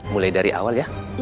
mulai dari awal ya